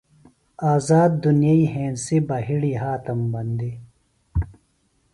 آذاد دنیئی ہنسی بِہ ہڑِی ہاتم بندی۔